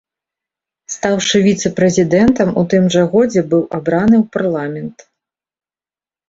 Стаўшы віцэ-прэзідэнтам, у тым жа годзе быў абраны ў парламент.